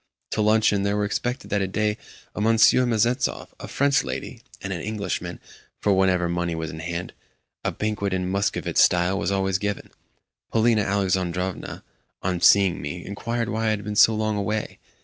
To luncheon there were expected that day a Monsieur Mezentsov, a French lady, and an Englishman; for, whenever money was in hand, a banquet in Muscovite style was always given. Polina Alexandrovna, on seeing me, inquired why I had been so long away.